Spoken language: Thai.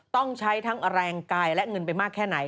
ต้องใช้ทั้งแรงกายและเงินไปมากแค่ไหน